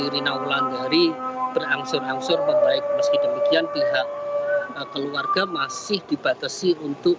rina wulandari berangsur angsur membaik meski demikian pihak keluarga masih dibatasi untuk